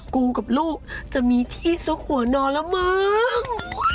กูกับลูกจะมีที่ซุกหัวนอนแล้วมึง